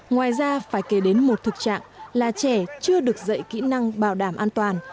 ngoài ra phải kể đến một thực trạng là trẻ chưa được dạy kỹ năng bảo đảm an toàn